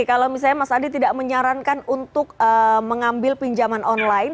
kalau misalnya mas adi tidak menyarankan untuk mengambil pinjaman online